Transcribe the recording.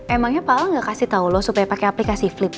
emangnya pak ala gak kasih tau lo supaya pakai aplikasi flip